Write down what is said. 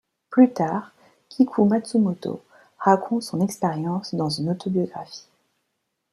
Plus tard, Kiku Matsumoto raconte son expérience dans une autobiographie.